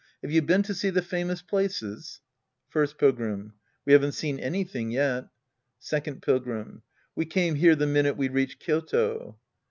Have you been to see the famous places ? First Pilgrim. We haven't seen anything yet. Second Pilgrim. We came here the minute we reached Kyoto.